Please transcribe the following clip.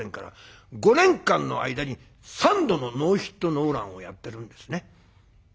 ５年間の間に３度のノーヒットノーランをやってるんですね。